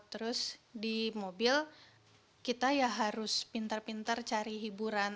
terus di mobil kita ya harus pintar pintar cari hiburan